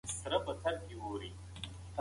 نورې ورځې ته ډېر بوخت يې.